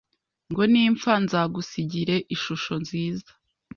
Ngo nimpfa nzagusigire ishusho nziza